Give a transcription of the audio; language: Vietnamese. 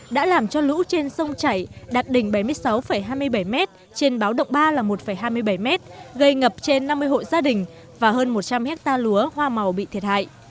đã làm cho lũ trên sông chảy đạt đỉnh bảy mươi sáu hai mươi bảy m trên báo động ba là một hai mươi bảy m gây ngập trên năm mươi hộ gia đình và hơn một trăm linh hectare lúa hoa màu bị thiệt hại